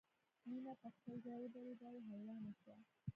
مینه په خپل ځای ودریده او حیرانه شوه